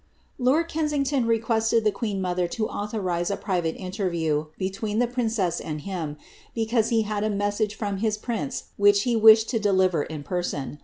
"' Lord Kensington requested the queen mother to authorize a private mterview between the princess and him, because he had a message from his prince which he wished to deliver in person.